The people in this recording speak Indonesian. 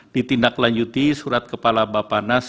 ditindaklanjuti surat kepala bapak nas